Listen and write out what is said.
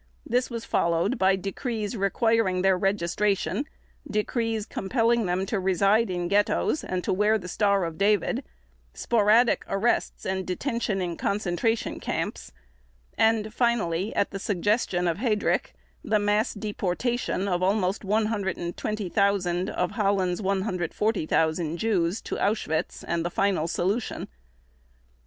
This was followed by decrees requiring their registration, decrees compelling them to reside in ghettos and to wear the Star of David, sporadic arrests and detention in concentration camps, and finally, at the suggestion of Heydrich, the mass deportation of almost 120,000 of Holland's 140,000 Jews to Auschwitz and the "final solution".